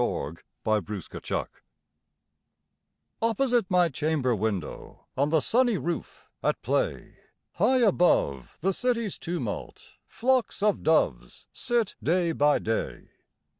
Louisa May Alcott My Doves OPPOSITE my chamber window, On the sunny roof, at play, High above the city's tumult, Flocks of doves sit day by day.